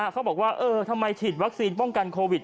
เขาบอกว่าทำไมฉีดวัคซีนป้องกันโควิด